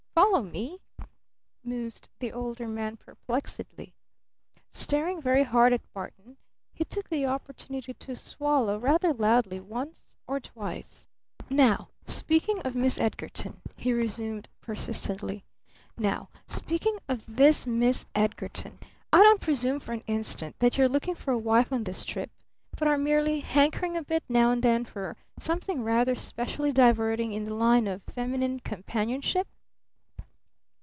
Follow me?" mused the Older Man perplexedly. Staring very hard at Barton, he took the opportunity to swallow rather loudly once or twice. "Now speaking of Miss Edgarton," he resumed persistently, "now, speaking of this Miss Edgarton, I don't presume for an instant that you're looking for a wife on this trip, but are merely hankering a bit now and then for something rather specially diverting in the line of feminine companionship?"